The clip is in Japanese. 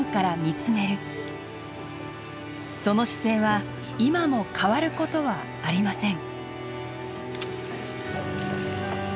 その姿勢は今も変わることはありません。